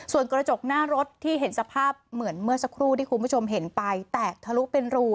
ส่วนกระจกหน้ารถที่เห็นสภาพเหมือนเมื่อสักครู่ที่คุณผู้ชมเห็นไปแตกทะลุเป็นรู